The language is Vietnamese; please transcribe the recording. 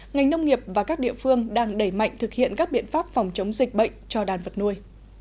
ngành nông nghiệp và các địa phương đang đẩy mạnh thực hiện các biện pháp phòng chống dịch bệnh cho đàn vật nuôi